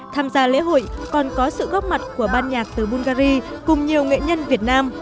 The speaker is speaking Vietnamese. tham gia lễ hội còn có sự góp mặt của ban nhạc từ bungary cùng nhiều nghệ nhân việt nam